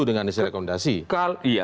dengan isi rekomendasi